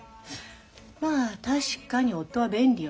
まあ確かに夫は便利よね